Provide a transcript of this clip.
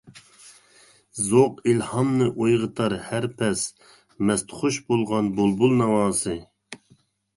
زوق ئىلھامنى ئويغىتار ھەر پەس، مەستخۇش بولغان بۇلبۇل ناۋاسى.